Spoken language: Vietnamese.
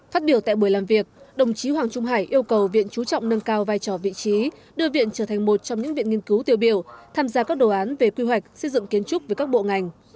phát biểu tại buổi làm việc đồng chí hoàng trung hải yêu cầu viện chú trọng nâng cao vai trò vị trí đưa viện trở thành một trong những viện nghiên cứu tiêu biểu tham gia các đồ án về quy hoạch xây dựng kiến trúc với các bộ ngành